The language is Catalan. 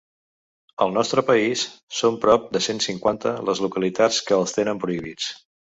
Al nostre país, són prop de cent cinquanta les localitats que els tenen prohibits.